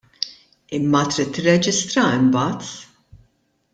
Imma trid tirreġistraha imbagħad.